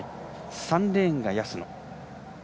３レーンが安野。